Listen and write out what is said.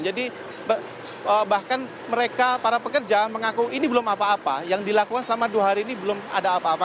jadi bahkan mereka para pekerja mengaku ini belum apa apa yang dilakukan selama dua hari ini belum ada apa apa